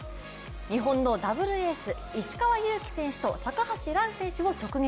日本のダブルエース石川祐希選手と高橋藍選手を直撃。